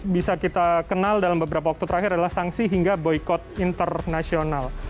bisa kita kenal dalam beberapa waktu terakhir adalah sanksi hingga boykot internasional